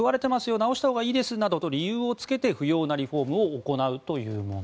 直したほうがいいですなどと理由をつけて不要なリフォームを行うもの